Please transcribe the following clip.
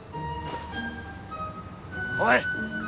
おい！